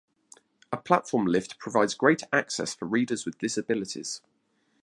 A platform lift provides greater access for readers with disabilities.